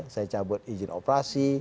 saya cabut izin operasi